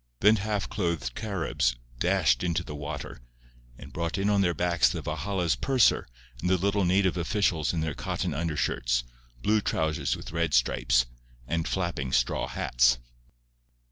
Then half clothed Caribs dashed into the water, and brought in on their backs the Valhalla's purser and the little native officials in their cotton undershirts, blue trousers with red stripes, and flapping straw hats.